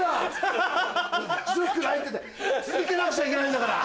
続けなくちゃいけないんだから。